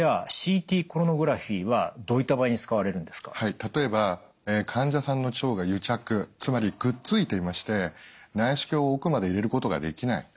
例えば患者さんの腸が癒着つまりくっついていまして内視鏡を奥まで入れることができない。